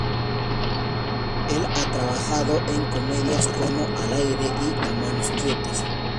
Él a trabajado en comedias como 'Al Aire" y "Manos Quietas".